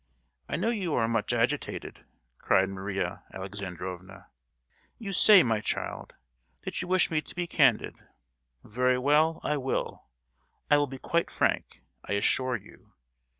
I know you are much agitated!" cried Maria Alexandrovna. "You say, my child, that you wish me to be candid: very well, I will; I will be quite frank, I assure you.